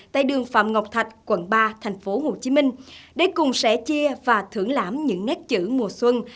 tại đường phạm ngọc thạch quận ba thành phố hồ chí minh để cùng sẻ chia và thưởng lãm những nét chữ mùa xuân